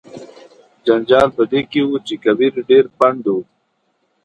جنجال په دې کې و چې کبیر ډیر پنډ و.